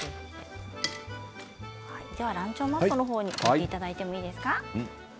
ランチョンマットの方に置いていただいていいですか？